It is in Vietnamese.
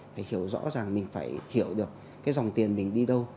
phải hiểu rõ rằng mình phải hiểu được cái dòng tiền mình đi đâu